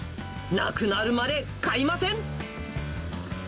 なくなるまで買いません。